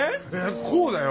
こうだよ。